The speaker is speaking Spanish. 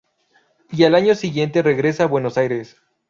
Y al año siguiente regresa a Buenos Aires.